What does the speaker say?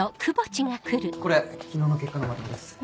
これ昨日の結果のまとめです。